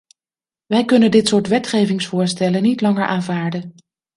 Wij kunnen dit soort wetgevingsvoorstellen niet langer aanvaarden.